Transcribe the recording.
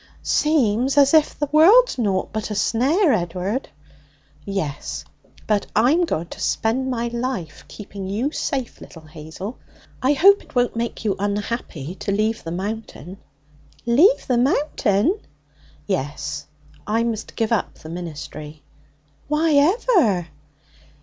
'Seems as if the world's nought but a snare, Ed'ard.' 'Yes. But I'm going to spend my life keeping you safe, little Hazel. I hope it won't make you unhappy to leave the Mountain?' 'Leave the Mountain?' 'Yes. I must give up the ministry.' 'Why ever?'